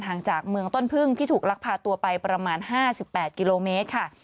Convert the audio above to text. ห่างจากเมืองต้นพึ่งที่ถูกลักพาตัวไปประมาณ๕๘กิโลเมตรค่ะ